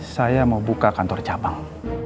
saya mau buka kantor cabang